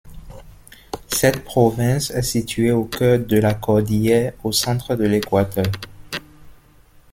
Cette province est située au cœur de la Cordillère, au centre de l'Équateur.